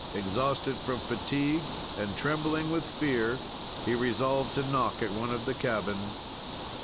"Exhausted from fatigue and trembling with fear, he resolved to knock at one of the cabins.